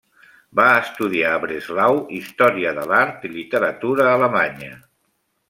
Va estudiar a Breslau història de l'art i literatura alemanya.